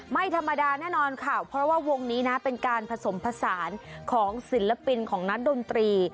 ไม่ธรรมดาแน่นอนค่ะเพราะว่าวงนี้นะเป็นการผสมผสานของศิลปินของนักดนตรี